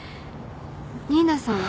新名さんは？